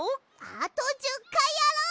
あと１０かいやろう！